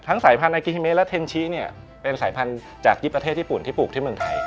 ทั้งสายพันธุ์ไอกิฮิเมสและเทนชี้เป็นสายพันธุ์จาก๒๐ประเทศญี่ปุ่นที่ปลูกที่เมืองไทย